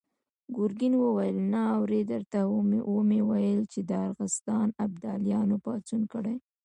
ګرګين وويل: نه اورې! درته ومې ويل چې د ارغستان ابداليانو پاڅون کړی.